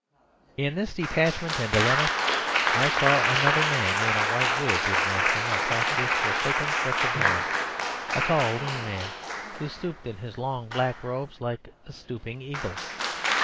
In this detachment and dilemma I saw another man in a white wig advancing across this forsaken stretch of lawn; a tall, lean man, who stooped in his long black robes like a stooping eagle.